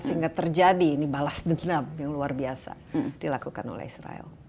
sehingga terjadi ini balas dendam yang luar biasa dilakukan oleh israel